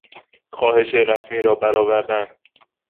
خواهش رسمی را برآوردن